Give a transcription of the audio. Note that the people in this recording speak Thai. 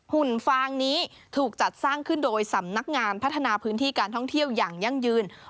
หุ่นฟางนี้ถูกจัดสร้างขึ้นโดยสำนักงานพัฒนาพื้นที่การท่องเที่ยวอย่างยั่งยืน